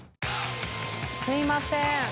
すいません。